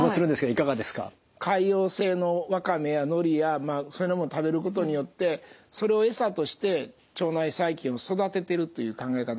海洋性のわかめやのりやそういうものを食べることによってそれをエサとして腸内細菌を育ててるという考え方ができると思います。